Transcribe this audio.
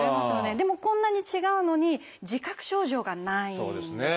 でもこんなに違うのに自覚症状がないんです。